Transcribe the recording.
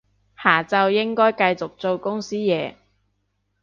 下晝應該繼續做公司嘢